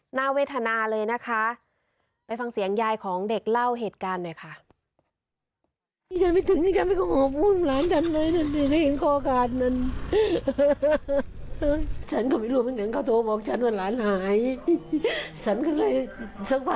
เวทนาเลยนะคะไปฟังเสียงยายของเด็กเล่าเหตุการณ์หน่อยค่ะ